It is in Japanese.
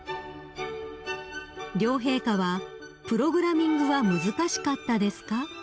［両陛下は「プログラミングは難しかったですか？」